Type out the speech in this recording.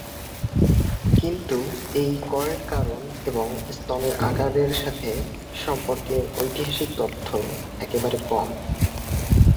কিন্তু এই করের কারণ এবং স্তনের আকারের সাথে সম্পর্কের ঐতিহাসিক তথ্য একেবারে কম।